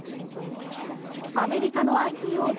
アメリカのＩＴ大手